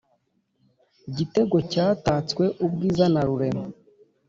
gitego cyatatswe ubwiza na rurema